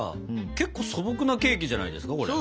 結構素朴なケーキじゃないですかこれ。